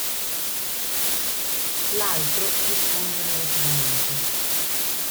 L'altro risponde negativamente.